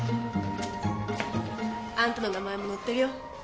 あんたの名前も載ってるよ。